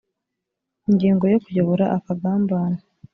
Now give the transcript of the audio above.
ingingo ya kuyobora akagambane